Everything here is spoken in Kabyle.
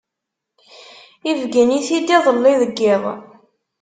ibeggen-it-id iḍelli deg yiḍ.